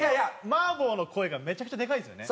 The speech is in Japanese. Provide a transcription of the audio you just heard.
「マーボー」の声がめちゃくちゃでかいんですよね。